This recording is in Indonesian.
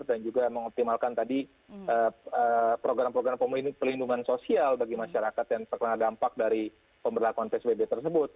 dan juga mengoptimalkan tadi program program pelindungan sosial bagi masyarakat yang terkena dampak dari pemberlakuan psbb tersebut